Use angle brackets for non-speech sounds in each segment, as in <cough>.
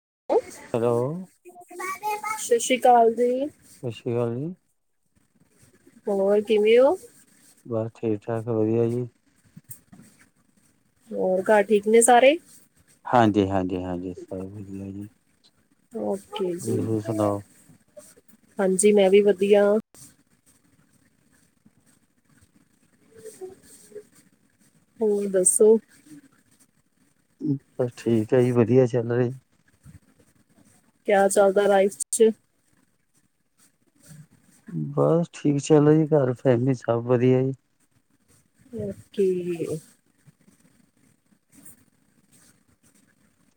<inaudible> Hello ਸਤਿ ਸ੍ਰੀ ਅਕਾਲ ਜੀ, ਸਤਿ ਸ੍ਰੀ ਅਕਾਲ ਜੀ, ਹੋਰ ਕਿਵੇਂ ਹੋ? ਬਸ, ਠੀਕ-ਠਾਕ। ਵਧੀਆ ਜੀ। ਹੋਰ, ਘਰ ਠੀਕ ਨੇ ਸਾਰੇ? ਹਾਂਜੀ-ਹਾਂਜੀ। ਹਾਂਜੀ, ਸਬ ਵਧੀਆ ਜੀ। ਓਕੇ ਜੀ। ਤੁਸੀਂ ਸੁਣਾਓ? ਹਂਜੀ, ਮੈਂ ਵੀ ਵਧੀਆ ਆ। ਹੋਰ ਦੱਸੋ? ਬ, ਠੀਕ ਆ ਜੀ। ਵਧੀਆ ਚੱਲ ਰਹੇ। <unintelligible> ਬਸ, ਠੀਕ ਚਲੋ ਜੀ। ਘਰ ਫੈਮਿਲੀ ਸਭ ਵਧੀਆ ਜੀ। ਓਕੇ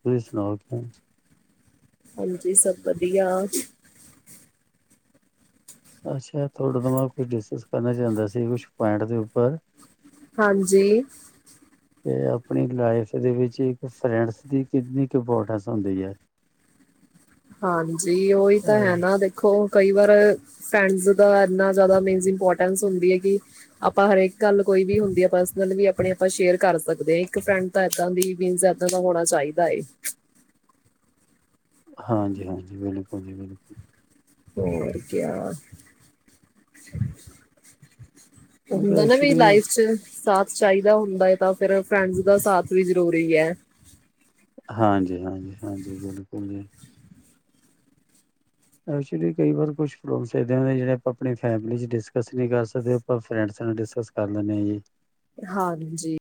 ਤੁਸੀਂ ਸੁਣਾਓ? ਹਂਜੀ ਸਭ ਵਧੀਆ ਅੱਛਾ, ਤੁਹਾਡੇ ਤੋਂ ਮੈਂ ਕੁਛ ਡਿਸਕਸ ਕਰਨਾ ਚਾਹੁੰਦਾ ਸੀ। ਕੁਛ ਪੁਆਇੰਟ ਦੇ ਉੱਪਰ ਹਾਂਜੀ, ਤੇ, ਆਪਣੀ ਲਾਈਫ ਦੇ ਵਿੱਚ, ਇੱਕ ਫਰੈਂਡਸ ਦੀ ਕਿੰਨੀ ਕੁ ਇੰਪੋਰਟੈਂਸ ਹੁੰਦੀ ਹੈ? ਹਾਂਜੀ, ਉਹੀ ਤਾਂ ਹੈ ਨਾ ਦੇਖੋ। ਕਈ ਵਾਰ ਫ੍ਰੈਂਡਸ ਦਾ ਇਨਾ ਜਿਆਦਾ ਮੀਨਸ, ਇੰਪੋਰਟੈਂਸ ਹੁੰਦੀ ਹੈ, ਕਿ ਆਪਾਂ ਹਰੇਕ ਗੱਲ ਕੋਈ ਵੀ ਹੁੰਦੀ ਆ, ਪਰਸਲ ਵੀ, ਆਪਣੇ ਆਪਾਂ ਸ਼ੇਅਰ ਕਰ ਸਕਦੇ ਹਾ ਇੱਕ ਫਰੈਂਡ ਤਾ ਐਦਾ ਦੀ ਮੀਨਸ ਐਦਾ ਦਾ ਹੋਣਾ ਚਾਹੀਦਾ ਐ। ਹਾਂਜੀ- ਹਾਂਜੀ, ਬਿਲਕੁਲ ਜੀ ਬਿਲਕੁਲ। ਹੋਰ ਕਿਆ ਉਹ ਕਿਉਂਕਿ ਹੁੰਦਾ ਨਾ ਵੀ ਐਕਚੁਲੀ ਲਾਈਫ ਚ ਸਾਥ ਚਾਹੀਦਾ ਹੁੰਦਾ ਹੈ। ਤਾਂ ਫੇਰ ਫਰੈਂਡਸ ਦਾ ਸਾਥ ਵੀ ਜ਼ਰੂਰੀ ਹੈ। ਹਾਂਜੀ, ਹਾਂਜੀ -ਹਾਂਜੀ ਬਿਲਕੁਲ ਜੀ। ਐਕੁਚਲੀ, ਕਈ ਵਾਰ ਕੁਛ ਪਰੋਬ ਐਦਾ ਦੇ ਨੇ ਜਿਹੜੇ ਆਪਾਂ ਆਪਣੀ ਫੈਮਿਲੀ ਚ ਡਿਸਕਸ ਨਹੀਂ ਕਰ ਸਕਦੇ, ਪਰ ਫਰੈਡਸ ਨਾਲ ਡਿਸਕਸ ਕਰ ਲੈਂਨੇ ਹਾਂ ਜੀ। ਹਾਂਜੀ।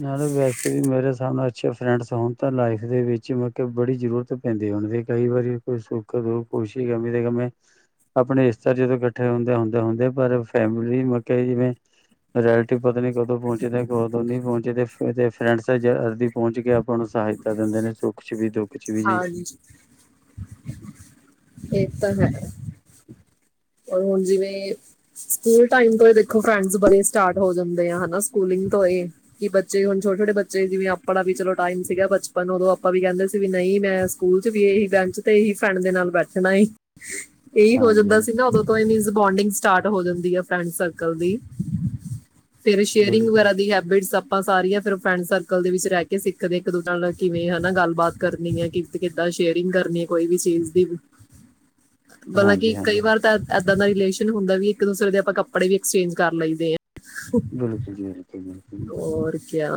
ਨਾਲੇ, ਵੈਸੇ ਵੀ ਮੇਰੇ ਸਾ ਅੱਛੇ ਫਰੈਂਡਸ ਹੋਣ ਤਾਂ ਲਾਈਫ ਦੇ ਵਿੱਚ ਮ ਬੜੀ ਜ਼ਰੂਰਤ ਪੈਂਦੀ ਹੋਣਦੀ ਹੈ। ਕਈ ਵਾਰੀ ਕੋਈ ਸੁੱਖ- ਦੁੱਖ, ਖੁਸ਼ੀ -ਕਮੀ ਦੇ ਸਮੇਂ ਆਪਣੇ ਇਸ ਤਰ ਜਦੋਂ ਇਕੱਠੇ ਹੁੰਦੇ, ਹੁੰਦੇ- ਹੁੰਦੇ ਪਰ ਫੈਮਿਲੀ, ਮੈਂ ਕਿਆ ਜਿਵੇਂ ਰੈਲਟਿਵ ਪਤਾ ਨੀ ਕਦੋਂ ਪਹੁੰਚਦੇ ਕਦੋ ਨੀ ਪਹੁੰਚੇ ਤੇ ਫਰੈਂਡਸ ਜਲਦੀ ਪਹੁੰਚ ਕੇ ਆਪਾਂ ਨੂੰ ਸਹਾਇਤਾ ਦਿੰਦੇ ਨੇ ਸੁੱਖ ਚ, ਵੀ ਦੁੱਖ 'ਚ ਵੀ ਹਾਂ, ਜੀ। ਤਾਂ ਹੈ। ਹ <unintelligible> ਹੁਣ ਜਿਵੇਂ ਸਕੂਲ ਟਾਈਮ ਤੋਂ ਦੇਖੋ ਫਰੈਂਡਸ ਬੜੇ ਸਟਾਰਟ ਹੋ ਜਾਂਦੇ ਆ ਹਨਾ। ਸਕੂਲਿੰਗ ਤੋਂ ਹੀ ਬੱਚੇ ਹੁਣ ਛੋਟੇ- ਛੋਟੇ ਬੱਚੇ, ਜਿਵੇਂ ਆਪਣਾ ਵੀ ਚਲੋ ਟਾਈਮ ਸੀਗਾ, ਬਚਪਨ ਔਦੋਂ ਆਪਾਂ ਵੀ ਕਹਿੰਦੇ ਸੀ ਵੀ ਨਹੀਂ, ਮੈਂ ਸਕੂਲ ਚ ਵੀ ਇਹੀ ਬੈਂਚ ਤੇ, ਇਹੀ ਫਰੈਂਡ ਦੇ ਨਾਲ ਬੈਠਣਾ ਇਹੀ ਹੋ ਹਾਂਜੀ ਜਾਂਦਾ ਸੀ। ਉਦੋਂ ਹੀ, ਮੀਨਸ ਬੋਂਡਿੰਗ ਸਟਾਰਟ ਹੋ ਜਾਂਦੀ ਆ ਫਰੈਂਡ ਸਰਕਲ ਦੀ। ਫੇਰ, ਸ਼ੇਅਰਿੰਗ ਬਿਲਕੁਲ ਵਗੈਰਾ ਦੀ ਹੈਬਿਟ ਆਪਾਂ ਸਾਰੀਆਂ ਫਿਰ ਫਰੈਂਡਸ ਸਰਕਲ ਦੇ ਵਿੱਚ ਰਹਿ ਕੇ ਸਿੱਖਦੇ, ਇੱਕ ਦੂਜੇ ਨਾਲ ਕਿਵੇਂ ਹਨਾ ਗੱਲਬਾਤ ਕਰਨੀ ਆ, ਕਿ ਕਿੱਦਾਂ ਸ਼ੇਅਰਿੰਗ ਕਰਨੀ ਹੈ ਕੋਈ ਵੀ ਚੀਜ਼ ਦੀ। ਬਲਾ ਕਿ ਹਾਂਜੀ ਹਾਂਜੀ ਕਈ ਵਾਰ ਤਾਂ ਏ ਏਦਾਂ ਇੱਦਾਂ ਦਾ ਰਿਲੇਸ਼ਨ ਹੁੰਦਾ, ਵੀ ਇੱਕ ਦੂਸਰੇ ਦੇ ਆਪਾਂ ਕੱਪੜੇ ਵੀ ਐਕਸਚੇਂਜ ਕਰ ਲਈਦੇ ਆਂ। ਬਿਲਕੁਲ ਜੀ, ਬਿਲਕੁਲ- ਬਿਲਕੁਲ ਜੀ। ਔਰ ਕਿਆ।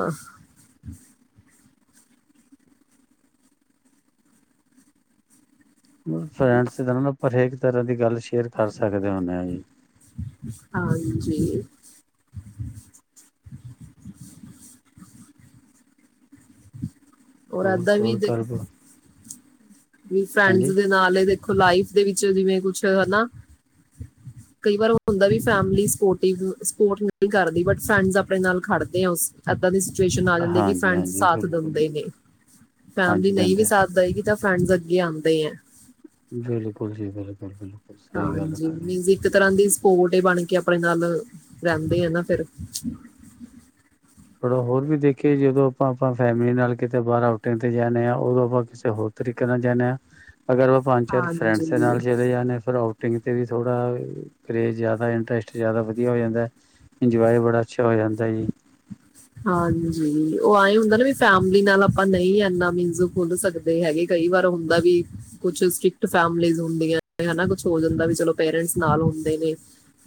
ਮਤਲ ਫ਼੍ਰੇੰਡ੍ਸ ਦਾ ਪਰਹੇਜ ਤਰਾਂ ਦੀ ਗੱਲ ਸ਼ੇਅਰ ਕਰ ਸਕਦੇ ਹੁਣੇ ਆ ਜੀ। ਹਾਂਜੀ। ਹ ਔਰ, ਹੋਰ ਏਦਾਂ ਵੀ ਤੋਰ ਦੇਖ ਕਰ ਵੀ ਫਰੈਂਡਸ ਹਾਂਜੀ। ਦੇ ਨਾਲ ਇਹ ਦੇਖੋ ਲਾਈਫ ਦੇ ਵਿੱਚ ਜਿਵੇਂ ਕੁਛ ਹਨਾ, ਕਈ ਵਾਰ ਹੁੰਦਾ ਵੀ ਫੈਮਿਲੀ ਸਪੋਰਟਿਵ ਸਪੋਰਟ ਨਹੀਂ ਕਰਦੀ, ਬਟ ਫਰੈਂਡਜ ਆਪਣੇ ਨਾਲ ਖੜਦੇ ਆ, ਇਦਾਂ ਦੀ ਸਿਚੂਏਸ਼ਨ ਆਂ ਜਾਂਦੀ ਏ, ਕਿ ਹਾਂਜੀ ਫਰੈਂਡਜ ਹਾਂਜੀ ਸਾਥ ਬਿਲਕੁਲ ਦਿੰਦੇ ਨੇ, ਫੈਮਿਲੀ ਹਾਂਜੀ ਨਹੀਂ ਵੀ ਦਿੰਦੇ ਸਾਥ ਦੇਵੇਗੀ ਤਾਂ ਫਰੈਂਡਜ ਅੱਗੇ ਆਉਂਦੇ ਆ। ਬਿਲਕੁਲ ਜੀ, ਬਿਲਕੁਲ ਬਿਲਕੁਲ। ਸਹੀ ਗੱਲ ਹੈ ਹਾਂਜੀ, ਤੁਹਾਡੀ ਮੀਨਜ਼ ਇੱਕ ਤਰ੍ਹਾਂ ਦੀ ਸਪੋਰਟ ਹੀ ਬਣਕੇ ਆਪਣੇ ਨਾਲ ਰਹਿੰਦੇ ਆ ਨਾਂ ਫਿਰ ਥੋੜਾ ਹੋਰ ਵੀ ਦੇਖੀਏ ਜਦੋਂ ਆਪਾਂ ਆਪਾਂ ਫੈਮਿਲੀ ਨਾਲ ਕਿਤੇ ਬਾਹਰ ਆਊਟਿੰਗ ਤੇ ਜਾਂਣੇ ਹਾਂ, ਉਦੋਂ ਆਪਾਂ ਕਿਸੇ ਹੋਰ ਤਰੀਕੇ ਨਾਲ ਜਾਂਣੇ ਆਂ। ਅਗਰ ਉਹ ਪੰਜ, ਚਾਰ ਫਰੈਂਡਸ ਦੇ ਹਾਂਜੀ ਨਾਲ ਚਲੇ ਜਾਣੇ ਆਂ ਫਿਰ ਆਓ ਟ੍ਰੇਨ ਤੇ ਵੀ ਥੋੜਾ ਕਰੇਜ਼ ਜ਼ਿਆਦਾ, ਇੰਟਰਸਟ ਜ਼ਿਆਦਾ ਵਧੀਆ ਹੋ ਜਾਂਦਾ, ਇੰਜੋਏ ਬੜਾ ਅੱਛਾ ਹੋ ਜਾਂਦਾ ਜੀ। ਹਾਂਜੀ ਉਹ ਆਏ ਹੁੰਦਾ ਨਾਂ ਵੀ ਫੈਮਲੀ ਨਾਲ ਆਪਾਂ ਨਈਂ ਇਨਾਂ ਮਿਨਸ ਖੁੱਲ ਸਕਦੇ ਹੈਗੇ, ਕਈ ਵਾਰ ਹੁੰਦਾ ਵੀ ਕੁਛ ਸਟ੍ਰਿਕਟ ਫੈਮਲੀਜ ਹੁੰਦੀਆਂ ਹਨਾਂ! ਕੁਛ ਹੋ ਜਾਂਦਾ ਵੀ ਚਲੋ ਪੇਰੇਂਟਸ ਨਾਲ ਹੁੰਦੇ ਨੇਂ,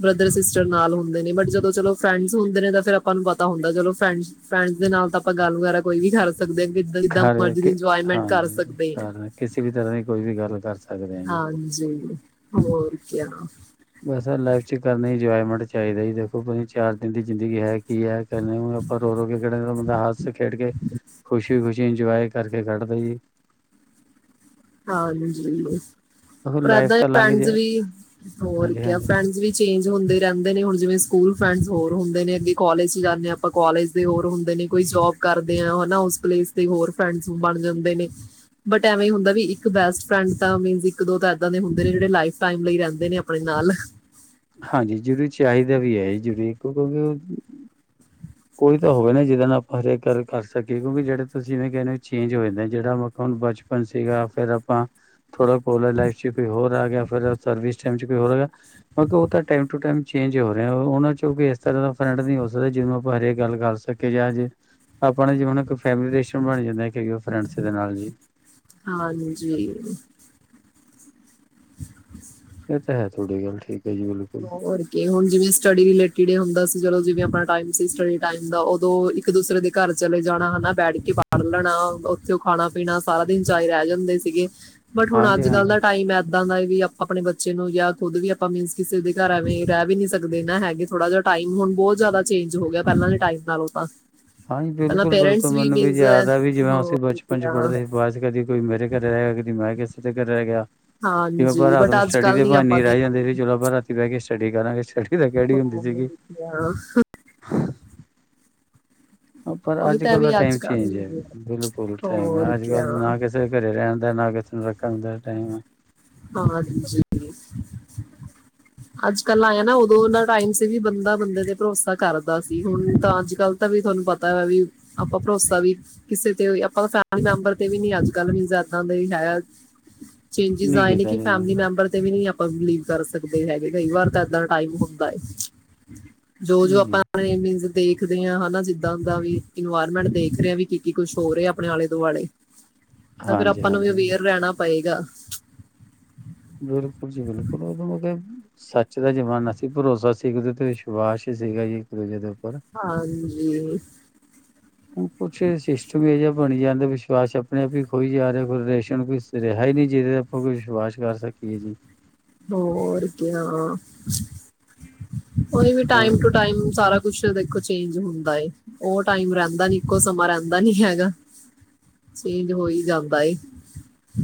ਬ੍ਰਦਰ ਸਿਸਟਰ ਨਾਲ ਹੁੰਦੇ ਨੇਂ, ਬੱਟ ਜਦੋਂ ਚਲੋ ਫਰੈਂਡਸ ਹੁੰਦੇ ਨੇਂ ਫ਼ੇਰ ਆਪਾਂ ਨੂੰ ਪਤਾ ਹੁੰਦਾ ਚਲੋ। ਫਰੈਂਡਜ ਫਰੈਂਡਜ ਦੇ ਨਾਲ ਤਾਂ ਆਪਾਂ ਗੱਲ ਵਗੈਰਾ ਕੋਈ ਵੀ ਕਰ ਸਕਦੇ ਹਾਂ ਕਿੱਦਾਂ ਜਿੱਦਾਂ ਘਰ ਮਰਜ਼ੀ ਦੀ ਇੰਜੋਇਮੈਂਟ ਕਰ ਹਾਂਜੀ ਸਕਦੇ ਹਾਂ ਘ ਕਿਸੇ ਵੀ ਤਰ੍ਹਾਂ ਦੀ ਕੋਈ ਵੀ ਗੱਲ ਕਰ ਸਕ ਹਾਂਜੀ ਹੋਰ ਕਿਆ। ਬਸ ਲਾਈਫ਼ ਚ ਕਰਨੀ ਇੰਜੋਏਮੈਂਟ ਚਾਹੀਦਾ ਜੀ ਦੇਖੋ ਚਾਰ ਦਿਨ ਦੀ ਜ਼ਿੰਦਗੀ ਹੈ। ਕੀ ਹੈ ਕਹਿੰਦੇ ਹੋ ਆਪਾਂ ਰੋ ਰੋ ਕੇ ਕਢਣੀ, ਬੰਦਾ ਹੱਸ ਖੇਡ ਕੇ ਖੁਸ਼ੀ ਖੁਸ਼ੀ ਇੰਜੋਇ ਕਰਕੇ ਕੱਢਦੇ ਜੀ। ਹਾਂਜੀ। ਪਰ ਲਾਈਫ ਏਦਾਂ ਤਾਂ ਲੰਘ ਜੇ ਫਰੈਂਡਸ ਵੀ ਹੋਰ ਹਾਂਜੀ ਕਿਆ ਹਾਂਜੀ ਫਰੈਂਡਸ ਵੀ ਚੇਂਜ ਹੁੰਦੇ ਰਹਿੰਦੇ ਨੇਂ ਹੁਣ ਜਿਵੇਂ ਸਕੂਲ ਫਰੈਂਡਜ ਹੋਰ ਹੁੰਦੇ ਨੇ ਅੱਗੇ ਕਾਲਜ ਚ ਜਾਂਦੇ ਆਪਾਂ ਕਾਲਜ ਦੇ ਹੋਰ ਹੁੰਦੇ ਨੇਂ, ਕੋਈ ਜੋਬ ਕਰਦੇ ਆਂ ਉਸ ਪਲੇਸ ਤੇ ਹੋਰ ਫਰੈਂਡਜ ਬਣ ਜਾਂਦੇ ਨੇਂ, ਬਟ ਐਵੇਂ ਹੁੰਦਾ ਵੀ ਇੱਕ ਬੈਸਟ ਫਰੈਂਡਸ ਤਾਂ ਮੀਨਜ ਇੱਕ, ਦੋ ਤਾਂ ਇਦਾਂ ਦੇ ਹੁੰਦੇ ਨੇਂ, ਜਿਹੜੇ ਲਾਈਫ ਟਾਈਮ ਲਈ ਰਹਿੰਦੇ ਨੇਂ ਆਪਣੇ ਨਾਲ। ਹਾਂਜੀ ਜ਼ਰੂਰੀ ਚਾਹੀਦਾ ਵੀ ਹੈ, ਜ ਜ਼ਰੂਰੀ ਕਿਉਕਿ ਕੋਈ ਤਾਂ ਹੋਗਾ ਨਾਂ ਜਿਹਦੇ ਨਾਲ ਆਪਾਂ ਹਰੇਕ ਗੱਲ ਕਰ ਸਕੀਏ, ਕਿਉਂਕਿ ਜਿਹੜੇ ਤੁਸੀਂ ਜਿਵੇਂ ਕਹਿੰਦੇ ਹੋ ਚੇਂਜ ਹੋ ਜਾਂਦੇ, ਜਿਹੜਾ ਮੌਕਾ ਹੁਣ ਬਚਪਨ ਸੀਗਾ ਫਿਰ ਆਪਾਂ ਥੋੜਾ ਕੋਲਜ ਲਾਈਫ ਚ ਵੀ ਹੋਰ ਆ ਗਿਆ ਫਿਰ ਸਰਵਿਸ ਟਾਈਮ ਚ ਕੋਈ ਹੋਰਗਾ। ਬਟ ਉਹ ਤਾਂ ਟਾਈਮ ਟੂ ਟਾਈਮ ਚੇਂਜ ਹੋ ਰਿਹਾ ਉਹਨਾਂ ਚੋਂ ਵੀ ਇਸ ਤਰ੍ਹਾਂ ਦਾ ਫਰੰਟ ਨਈਂ ਹੋ ਸਕਦਾ ਜਿਵੇਂ ਉਹ ਬਾਰੇ ਗੱਲ ਕਰ ਸਕੇ ਜਾਂ ਜੇ ਆਪਣੇ ਜੀ ਹੁਨ ਕ ਫੇਮਿਲੀ ਰਿਲੇਸ਼ਨ ਬਣ ਜਾਂਦਾ ਕਈ ਵਾਰ ਫਰੈਂਡਜ ਦੇ ਨਾਲ ਜੀ। ਹਾਂਜੀ ਇਹ ਤਾਂ ਹੈ ਥੋਡੀ ਗੱਲ ਠੀਕ ਹੈ ਜੀ ਬਿਲਕੁਲ ਹੋਰ ਕੀ ਹੁਣ ਜਿਵੇਂ ਸਟੱਡੀ ਰਿਲੇਟਿਡ ਹੁੰਦਾ ਸੀ। ਚਲੋ ਜਿਵੇਂ ਆਪਾਂ ਟਾਇਮ ਸੀ ਉਸ ਟਾਇਮ ਦਾ ਉਦੋਂ ਇੱਕ ਦੂਸਰੇ ਦੇ ਘਰ ਚਲੇ ਜਾਣਾ ਹੈਨਾਂ। ਬੈਠ ਕੇ ਪੜ ਲੈਣਾ, ਉੱਥੇ ਖਾਣਾ ਪੀਣਾ, ਸਾਰਾ ਦਿਨ ਚਾਅ ਰਹਿ ਜਾਂਦੇ ਸੀਗੇ। ਬਟ, ਹੁਣ ਹਾਂਜੀ ਅੱਜ ਕੱਲ੍ਹ ਦਾ ਹਾਂਜੀ ਟਾਈਮ ਏਦਾਂ ਦਾ ਵੀ ਅਪ ਆਪਣੇ ਬੱਚੇ ਨੂੰ ਜਾਂ ਖੁਦ ਵੀ ਆਪਾਂ ਮੀਨਸ ਕਿਸੇ ਦੇ ਘਰ ਐਵੇਂ ਰਹਿ ਵੀ ਨੀਂ ਸਕਦੇ ਨਾਂ ਹੈਗੇ, ਥੋੜ੍ਹਾ ਜਿਹਾ ਟਾਈਮ ਹੁਣ ਬਹੁਤ ਜ਼ਿਆਦਾ ਚੇਂਜ ਹੋ ਗਿਆ ਪਹਿਲਾਂ ਦੇ ਟਾਈਮ ਨਾਲੋਂ ਤਾਂ ਹਾਂਜੀ, ਪਹਿਲਾਂ ਬਿਲਕੁਲ ਬਿਲਕੁਲ ਪੇਰੈਂਟਸ ਮੈਨੂੰ ਵੀ ਮੀਨਸ ਯਾਦ ਆ ਵੀ ਜਿਵੇਂ ਅਸੀਂ ਹੋਰ ਬਚਪਨ ਚ ਕਿਆ ਪੜ੍ਹਦੇ ਸੀ ਬਾਅਦ ਚ ਕਦੀ ਕੋਈ ਮੇਰੇ ਘਰੇ ਆਇਆ ਕਦੀ ਮੈਂ ਕਿਸੇ ਕਿਤੇ ਰਹਿ ਗਿਆ ਜਿਵੇਂ ਆਪਾਂ ਹਾਂਜੀ ਰਾਤ ਨੂੰ ਬਟ ਅੱਜ ਸਟੱਡੀ ਕੱਲ ਦੇ ਨਹੀਂ ਆਪਾਂ ਬਹਾਨੇ ਰਹਿ ਜਾਂਦੇ ਦੇਖਦੇ ਸੀ। ਚਲੋ ਆਪਾਂ ਰਾਤੀ ਬਹਿ ਕੇ ਸਟੱਡੀ ਕਰਾਂਗੇ, ਸਟੱਡੀ ਦਾ ਕਿਹੜੀ ਹਾਂ, ਹੁੰਦੀ ਹੋਰ ਸੀਗੀ। ਕਿਆ। ਪਰ ਉਹੀ ਤਾਂ ਅੱਜ-ਕੱਲ੍ਹ ਦਾ ਵੀ ਅੱਜ ਟਾਈਮ ਕੱਲ ਚੇਂਜ ਐ, ਨਹੀਂ ਬਿਲਕੁਲ ਟਾਈਮ ਐ ਹੋਰ ਅੱਜ ਕਿਆ ਕੱਲ੍ਹ ਨਾ ਕਿਸੇ ਦੇ ਘਰੇ ਰਹਿਣ ਨਾਂ ਕਿਸੇ ਨੂੰ ਰੱਖਣ ਦਾ ਟਾਈਮ ਐ। ਹਾਂਜੀ ਅੱਜ- ਕੱਲ੍ਹ ਆਏਂ ਨਾ, ਉਦੋਂ ਦਾ ਟਾਈਮ ਸੀ ਬੰਦਾ ਬੰਦੇ ਤੇ ਭਰੋਸਾ ਕਰਦਾ ਸੀ, ਹੁਣ ਤਾਂ ਅੱਜ- ਕੱਲ੍ਹ ਤਾਂ ਵੀ ਤੁਹਾਨੂੰ ਪਤਾ ਵਾ ਬਈ ਆਪਾਂ ਭਰੋਸਾ ਵੀ ਕਿਸੇ ਤੇ ਆਪਾਂ ਫੈਮਿਲੀ ਮੈਂਬਰ ਤੇ ਵੀ ਨਹੀਂ ਅੱਜ -ਕੱਲ੍ਹ ਮਤਲਬ ਇੱਦਾਂ ਦਾ ਹੀ ਹੈ ਚੇਂਜਿਸ ਨਹੀਂ ਆਏ ਨੇ ਕੀਤਾ ਕਿ ਫੈਮਿਲੀ ਜੀ ਮੈਂਬਰ ਦੇ ਵੀ ਨਹੀਂ ਆਪਾਂ ਆਪਾਂ ਬਲੀਵ ਕਰ ਸਕਦੇ ਤੇ ਹੈਗੇ ਕਈ ਵਾਰ ਤਾਂ ਏਦਾਂ ਦਾ ਟਾਈਮ ਹੁੰਦਾ ਏ ਜੋ ਜੋ ਆਪਾਂ ਆਪਣੇ ਮੀਨਜ਼ ਦੇਖਦੇ ਹਾਂ ਹੁਣ ਜਿੱਦਾਂ ਦਾ ਵੀ ਇਨਵਾਇਰਮੈਂਟ ਦੇਖ ਰਹੇ ਹਾਂ ਵੀ ਕੀ -ਕੀ ਕੁਛ ਹੋ ਰਿਹਾ ਆਪਣੇ ਆਲੇ-ਦੁਆਲੇ ਤਾਂ ਫਿਰ ਹਾਂਜੀ ਆਪਾਂ ਨੂੰ ਵੀ ਹਾਂਜੀ ਅਵੇਅਰ ਰਹਿਣਾ ਪਏਗਾ। ਬਿਲਕੁਲ ਜੀ ਬਿਲਕੁਲ ਉਦੋਂ ਮਤਲਬ ਸੱਚ ਦਾ ਜ਼ਮਾਨਾ ਸੀ, ਭਰੋਸਾ ਸੀ ਇੱਕ ਦੂਜੇ ਤੇ ਵਿਸ਼ਵਾਸ ਸੀਗਾ ਜੀ ਇੱਕ ਦੂਜੇ ਤੇ ਹਾਂਜੀ ਹੁਣ ਕੁੱਛ ਸਿਸਟਮ ਹੀ ਇਹੋ ਜਿਹਾ ਬਣੀ ਜਾਂਦਾ ਵਿਸ਼ਵਾਸ ਆਪਣੇ ਆਪ ਹੀ ਖੋਈ ਜਾ ਰਿਹਾ ਕੋਈ ਰਿਲੇਸ਼ਨ ਕੋਈ ਰਿਹਾ ਹੀ ਨਹੀਂ ਜਿਹਦੇ ਤੇ ਆਪਾਂ ਕੋਈ ਵਿਸ਼ਵਾਸ ਕਰ ਸਕੀਏ ਜੀ। ਹੋਰ ਕੀ ਆਂ, ਉਹੀ ਹੁਣ ਟਾਈਮ ਟੂ ਟਾਈਮ ਸਾਰਾ ਕੁ ਕੁਛ ਦੇਖੋ ਚੇਂਜ ਹੁੰਦਾ ਉਹ ਟਾਈਮ ਰਹਿੰਦਾ ਨਹੀਂ, ਇੱਕੋ ਸਮਾਂ ਰਹਿੰਦਾ ਨਹੀਂ ਹੈਗਾ, ਚੇਂਜ ਹੋਈ ਜਾਂਦਾ। ਏ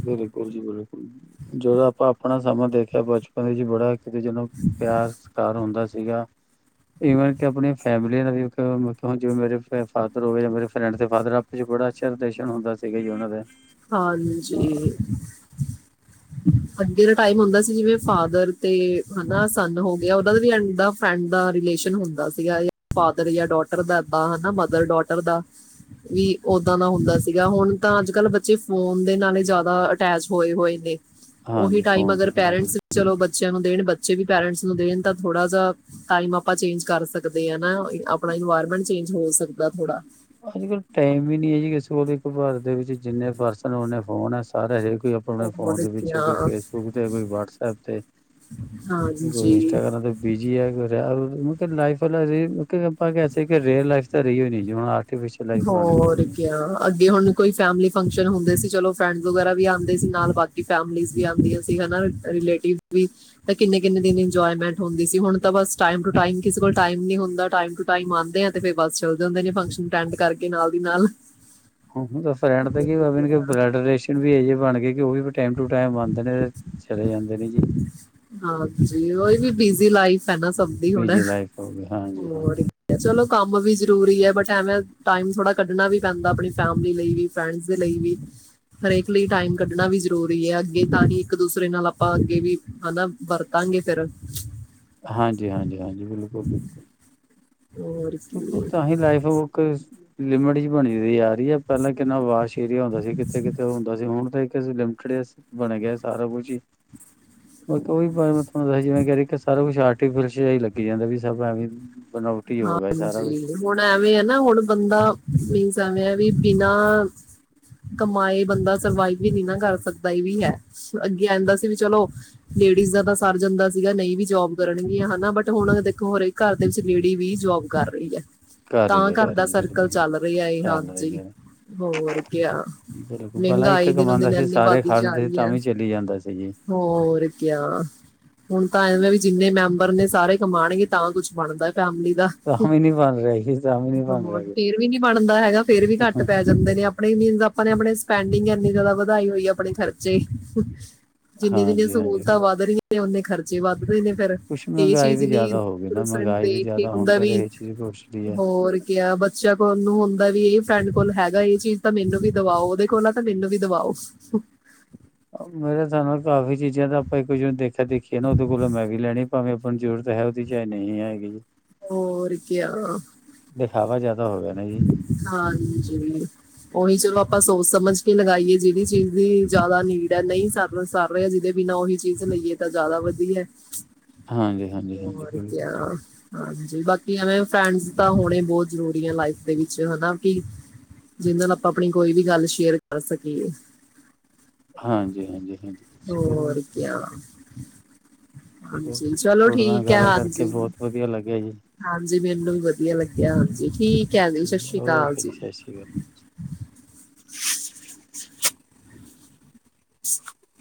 ਬਿਲਕੁਲ ਜੀ ਬਿਲਕੁਲ ਜਦੋਂ ਆਪਾਂ ਆਪਣਾ ਸਮਾਂ ਦੇਖਿਆ ਬਚਪਨ ਵਿਚ ਬੜਾ ਕਿਤੇ ਜਦੋਂ ਪਿਆਰ, ਸਤਿਕਾਰ ਹੁੰਦਾ ਸੀ। ਸੀਗਾ, ਇਵਨ ਕਿ ਆਪਣੀ ਫੈਮਿਲੀ ਨਾਲ ਵੀ ਮਤਲਬ ਜਿਵੇਂ ਮੇਰੇ ਫਾਦਰ ਹੋ ਗਏ ਜਾਂ ਮੇਰੇ ਫਰੈਂਡਸ ਦੇ ਫਾਦਰ ਆਪਸ ਚ ਬੜਾ ਅੱਛਾ ਰਿਲੇਸ਼ਨ ਹੁੰਦਾ ਸੀਗਾ ਜੀ ਉਹਨਾਂ ਦਾ। ਹਾਂਜੀ। ਅ, ਅੱਗੇ ਦਾ ਟਾਈਮ ਹੁੰਦਾ ਸੀ ਜਿਵੇਂ ਫਾਦਰ ਤੇ ਹਨਾ ਸੰਨ ਹੋ ਗਿਆ ਓਨ੍ਹਾਂ ਦਾ ਵੀ ਫਰੈਂਡ ਦਾ ਰਿਲੇਸ਼ਨ ਹੁੰਦਾ ਸੀਗਾ। ਫਾਦਰ ਜਾਂ ਡੋਟਰ ਦਾ ਐਦਾ, ਮਦਰ ਡੋਟਰ ਦਾ। ਵੀ ਓਦਾਂ ਦਾ ਹੁੰਦਾ ਸੀਗਾ। ਹੁਣ ਤਾਂ ਅੱਜ-ਕਲ ਬੱਚੇ ਫੋਨ ਦੇ ਨਾਲ ਹੀ ਜ਼ਿਆਦਾ ਅਟੈਚ ਹੋਏ-ਹੋਏ ਨੇ। ਉਹੀ ਹਾਂਜੀ ਟਾਈਮ ਫੋਨ ਤੇ ਅਗਰ ਬਿਲਕੁਲ। ਪੇਰੈਂਟਸ ਚਲੋ ਬੱਚੇ ਬੱਚਿਆਂ ਨੂੰ ਦੇਣ, ਬੱਚੇ ਵੀ ਪੇਰੈਂਟਸ ਨੂੰ ਦੇਣ ਤਾਂ ਥੋੜਾ ਜਾ ਟਾਈਮ ਆਪਾਂ ਚੇਂਜ ਕਰ ਸਕਦੇ ਆ ਨਾ। ਆਪਣਾ ਇਨਵਾਇਰਮੈਂਟ ਚੇਂਜ ਹੋ ਸਕਦਾ ਥੋੜਾ। ਅੱਜਕਲ ਟਾਈਮ ਵੀ ਨੀ ਹੈ ਜੀ ਕਿਸੇ ਕੋਲ। ਇੱਕ ਘਰ ਦੇ ਵਿੱਚ ਜਿੰਨੇ ਪਰਸਨ ਉਨੇ ਫੋਨ ਹੈ। ਸਾਰੇ ਹਰੇ ਕੋਈ ਆਪਣੇ ਫੋਨ ਹੋਰ ਦੇ ਵਿੱਚ, ਕਿਆ ਕੋਈ ਫੇਸਬੁਕ ਤੇ, ਕੋਈ ਵਟਸਪ ਤੇ, ਹਾਂ ਕੋਈ ਜੀ ਇੰਸਟਾਗ੍ਰਾਮ ਤੇ ਬਿਜੀ ਹੈ। ਕੋ ਲਾਈ ਵਾਲ, ਆਪਾਂ ਕਹਿ ਸਕਦੇ ਹਾਂ ਕਿ ਰੀਅਲ ਲਾਈਫ ਤਾਂ ਰਹੀ ਹੀ ਨਹੀਂ ਜੀ। ਹੋਰ ਕਿਆ। ਅੱਗੇ ਹੁਣ ਕੋਈ ਫੈਮਲੀ ਫੰਕਸ਼ਨ ਹੁੰਦੇ ਸੀ। ਚਲੋ ਫਰੈਂਡਜ ਵਗੈਰਾ ਵੀ ਆਉਂਦੇ ਸੀ ਨਾਲ। ਬਾਕੀ ਫੈਮਲਿਜ਼ ਵੀ ਆਂਦੀਆਂ ਸੀ। ਹਨਾ, ਰਿਲੇਟਿਵ ਵੀ ਤਾਂ ਕਿੰਨੇ-ਕਿੰਨੇ ਦਿਨ ਇੰਜੋਮੈਂਟ ਹੁੰਦੀ ਸੀ ਹੁਣ ਤਾਂ ਬਸ ਟਾਈਮ ਟੂ ਟਾਈਮ, ਕਿਸੇ ਕੋਲ ਟਾਈਮ ਨੀ ਹੁੰਦਾ। ਟਾਈਮ ਟੂ ਟਾਈਮ ਆਂਦੇ ਆ ਤੇ ਫੇਰ ਬਸ ਚਲੇ ਜਾਂਦੇ ਨੇ ਫੰਕਸ਼ਨ ਵਿੱਚ। ਅਟੈਂਡ ਕਰਕੇ, ਨਾਲ ਦੀ ਨਾਲ <unintelligible> ਰਹਿਣ ਦਾ ਕੀ ਹੋਰ ਕਿਆ, ਬਲਡੇਸ਼ਨ ਵੀ ਇਹ ਜੇ ਬਣ ਗਏ ਕਿ ਉਹ ਵੀ ਟਾਈਮ ਟੂ ਟਾਈਮ ਆਂਦੇ ਨੇ ਤੇ ਚਲੇ ਜਾਂਦੇ ਨੇ ਜੀ। ਹਾਂਜੀ ਉਹ ਵੀ ਬਿਜ਼ੀ ਲਾਈਫ। ਪੈ ਨਾ ਸਭਦੀ ਹੋਣਾ, ਬਿਜੀ ਲਾਈਫ ਹੋ ਗਈ ਹਾਂਜੀ ਹੋਰ ਹਾਂਜੀ। ਚਲੋ ਕੰਮ ਵੀ ਜਰੂਰੀ ਹੈ। ਬਟ ਐਵੇਂ ਟਾਈਮ ਥੋੜਾ ਕੱਢਣਾ ਵੀ ਪੈਂਦਾ, ਆਪਣੀ ਫੈਮਲੀ ਲਈ ਵੀ ਫਰੈਂਡਸ ਦੇ ਲਈ ਵੀ, ਹਰੇਕ ਲਈ ਟਾਈਮ ਕੱਢਣਾ ਵੀ ਜ਼ਰੂਰੀ ਹੈ ਅੱਗੇ ਤਾਂ ਹੀ ਇੱਕ ਦੂਸਰੇ ਨਾਲ ਆਪਾਂ ਅੱਗੇ ਵੀ ਹਨਾ ਵਰਤਾਂਗੇ ਫੇਰ ਹਾਂਜੀ -ਹਾਂਜੀ -ਹਾਂਜੀ ਬਿਲਕੁਲ- ਬਿਲਕੁਲ। ਹੋਰ ਕੀ ਤਾਂ ਹੀ ਲਾਈਫ਼ ਫੋਕਸ ਲਿਮਟ ਚ ਬਣੀ ਸੀ ਯਾਰ। ਵਧੀਆ ਪਹਿਲਾਂ ਕਿੰਨਾ ਵਾਸ਼ ਏਰੀਆ ਹੁੰਦਾ ਸੀ, ਕਿੱਥੇ -ਕਿੱਥੇ ਉਹ ਹੁੰਦਾ ਸੀ। ਹੁਣ ਤੇ ਲਮਖੜਿਆ ਸੀ ਬਣ ਗਿਆ ਸਾਰਾ ਕੁਝ ਹੀ। ਮੈਂ ਉਹੀ ਬਾਰੇ ਮੈਂ ਸਮਜਾਈ <unintelligible> ਸਾਰਾ ਕੁਛ ਆਰਟੀਫਿਸ਼ਲ ਹੀ ਲੱਗੀ ਜਾਂਦਾ ਵੀ ਸਭ ਐਵੇਂ। ਬਣਾਉਟੀ ਹੋ ਗਿਆ। ਕੁਛ ਹਾਂਜੀ ਹੁਣ ਐਵੇਂ ਹੈ ਨਾ ਹੁਣ ਬੰਦਾ ਮੀਨਸ ਐਵੇਂ ਵੀ ਬਿਨਾਂ ਕਮਾਏ ਬੰਦਾ ਸਰਵਾਈਵ ਵੀ ਨਹੀਂ ਨਾ ਕਰ ਸਕਦਾ ਇਹ ਵੀ ਹੈ। ਅੱਗੇ ਆਹਦਾ ਸੀ ਵੀ ਚਲੋ ਲੇਡੀਜ਼ ਦਾ ਤਾਂ ਸਰ ਜਾਂਦਾ ਸੀਗਾ ਨਹੀਂ ਵੀ ਜੋਬ ਕਰਨਗੀਆਂ ਹਨਾ, ਬਟ ਹੁਣ ਦੇਖੋ ਹਰੇਕ ਘਰ ਦੇ ਵਿੱਚ ਲੇਡੀ ਵੀ ਜੋਬ ਕਰ ਰਹੀ ਹੈ। ਹੀ ਤਾਂ ਹੈ ਘਰ ਦਾ ਹੀ ਸਰਕਲ ਬਿਲਕੁਲ ਚੱਲ ਰਿਹਾ ਏ ਚੱਲ ਹਾਂਜੀ, ਰਹੀ ਹੈ ਹੋਰ ਕਿਆ ਬਿਲਕੁਲ ਪਹਿਲਾਂ ਇੱਕ ਮਹਿੰਗਾਈ ਦਿਨੋ ਕਮਾਉਂਦਾ ਦਿਨ ਸੀ ਇਨੀ ਸਾਰੇ ਵੱਧਦੀ ਖਾ ਜਾ ਲੈਂਦੇ ਸੀ ਰਹੀ ਤਾਂ ਹੈ ਵੀ ਚਲੀ ਜਾਂਦਾ ਸੀ ਜੀ ਹੋਰ ਕਿਆ ਹੁਣ ਤਾਂ ਐਵੇਂ ਵੀ ਜਿੰਨੇ ਮੈਂਬਰ ਨੇ ਸਾਰੇ ਕਮਾਉਣਗੇ ਤਾਂ ਕੁੱਛ ਬਣਦਾ। ਫੈਮਲੀ ਦਾ, ਤਾਂ ਵੀ ਨੀ ਬਣ ਰਿਹਾ ਸੀ ਤਾਂ ਵੀ ਨੀ ਬਣ ਰਿਹਾ ਕੁਛ ਫੇਰ ਵੀ ਨੀ ਬਣਦਾ ਹੈਗਾ, ਫੇਰ ਵੀ ਘੱਟ ਪੈ ਜਾਂਦੇ ਨੇ ਆਪਣੇ ਨਹੀਂ ਆਪਾਂ ਨੇ ਆਪਨੇ ਸਪੈਂਡਿੰਗ ਏਨੀ ਜਾਦਾ ਵਧਾਈ ਹੋਈ ਆ, ਆਪਨੇ ਖਰਚੇ ਜਿੰਨੀਆਂ-ਜਿੰਨੀਆਂ ਹਾਂਜੀ ਹਾਂਜੀ ਸਹੂਲਤਾਂ ਵੱਧ ਰਹੀਆ ਤੇ ਉਹਨੇ ਖਰਚੇ ਵਧ ਦੇ ਨੇ ਫਿਰ ਕੁਛ ਇਹ ਮਹਿੰਗਾਈ ਚੀਜ਼ ਵੀ ਨੀ ਜ਼ਿਆਦਾ ਹੋ ਗਈ ਨਾ ਰ ਮਹਿੰਗਾਈ ਵੀ ਤੇ <inaudible> ਜ਼ਿਆਦਾ ਹੋਣ ਹੁੰਦਾ ਕਰ ਵੀ ਇਹ ਚੀਜ਼ ਕੋਸਟਲੀ ਹੈ ਹੋਰ ਕਿਆ ਬੱਚਾ ਕੋਣ ਨੂੰ ਹੁਣ ਹੁੰਦਾ ਵੀ ਇਹ ਫਰੈਂਡ ਕੋਲ ਹੈਗਾ ਇਹ ਚੀਜ਼ ਤਾਂ ਮੈਨੂੰ ਵੀ ਦਵਾਓ ਉਹਦੇ ਕੋਲ ਆ ਤਾਂ ਮੈਨੂੰ ਵੀ ਦਵਾਓ। ਮੇਰੇ ਹਿਸਾਬ ਨਾਲ ਕਾਫ਼ੀ ਚੀਜ਼ਾਂ ਤਾਂ ਆਪਾਂ ਇੱਕ ਦੂਜੇ ਨੂੰ ਦੇਖਾ ਦੇਖੀ ਨਾ ਉਹਦੇ ਕੋਲ ਐ ਮੈਂ ਵੀ ਲੈਣੀ ਭਾਵੇਂ ਆਪਾਂ ਨੂੰ ਜ਼ਰੂਰਤ ਹੈ ਉਹਦੀ ਚਏ ਨਹੀਂ ਹੈਗੀ ਜੀ। ਹੋਰ ਕਿਆ ਦਿਖਾਵਾ ਜ਼ਿਆਦਾ ਹੋ ਗਿਆ ਨਾ ਜੀ ਹਾਂਜੀ ਉਹੀ ਚਲੋ ਆਪਾਂ ਸੋਚ ਸਮਝ ਕੇ ਲਗਾਈਏ ਜਿਹੜੀ ਚੀਜ਼ ਦੀ ਜ਼ਿਆਦਾ ਨੀਡ ਹੈ ਨਹੀਂ ਸਰ -ਸਰ ਰਿਹਾ ਜਿਹਦੇ ਬਿਨਾਂ ਉਹੀ ਚੀਜ਼ ਲਈਏ ਤਾਂ ਜ਼ਿਆਦਾ ਵਧੀਆ। ਹਾਂਜੀ, ਹਾਂਜੀ, ਹਾਂਜੀ ਹੋਰ ਬਿਲਕੁਲ ਕਿਆ ਹਾਂਜੀ ਬਾਕੀ ਐਵੇਂ ਫਰੈਂਡਸ ਤਾਂ ਹੋਣੇ ਬਹੁਤ ਜਰੂਰੀ ਐ ਲਾਈਫ ਦੇ ਵਿੱਚ ਹੈਨਾ। ਕੀ ਜਿਦੇ ਨਾਲ ਆਪਾਂ ਆਪਣੀ ਕੋਈ ਵੀ ਗੱਲ ਸ਼ੇਅਰ ਕਰ ਸਕੀਏ। ਹਾਂਜੀ -ਹਾਂਜੀ। ਹਾਂਜੀ ਚਲੋ ਹੋਰ ਕਿਆ <unintelligible> ਹਾਂਜੀ ਚਲੋ ਤੁਹਾਡੇ ਨਾਲ ਠੀਕ ਹੈ ਗੱਲ ਕਰਕੇ ਹਾਂਜੀ ਬਹੁਤ ਵਧੀਆ ਲੱਗਿਆ ਜੀ। ਹਾਂਜੀ ਮੈਨੂੰ ਵੀ ਵਧੀ ਵਧੀਆ ਲੱਗਿਆ ਹਾਂਜੀ, ਠੀਕ ਹੈ ਜੀ ਸਤਿ ਠੀਕ ਸ੍ਰੀ ਅਕਾਲ ਓਕੇ ਜੀ। ਸਤਿ ਸ਼੍ਰੀ ਅਕਾਲ। <unintelligible>